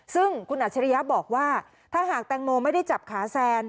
ซึ่งคุณอัจฉริยะบอกว่าถ้าหากแตงโมไม่ได้จับขาแซน